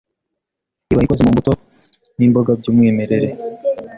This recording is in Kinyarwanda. iba ikoze mu mbuto n’imboga by’umwimerere